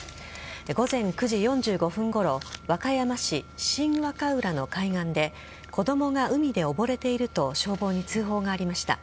午前９時４５分ごろ和歌山市の海岸で子供が海で溺れていると消防に通報がありました。